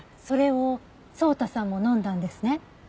それを草太さんも飲んだんですね？